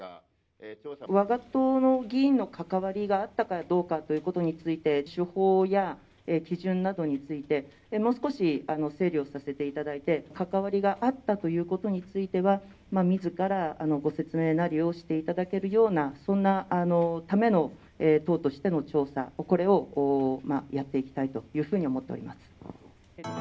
わが党の議員の関わりがあったかどうかということについて、手法や基準などについてもう少し整理をさせていただいて、関わりがあったということについては、みずからご説明なりをしていただけるような、そんなための、党としての調査、これをやっていきたいというふうに思っております。